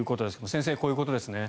先生、こういうことですね。